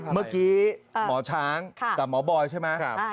เมื่อกี้หมอช้างกับหมอบอยใช่ไหม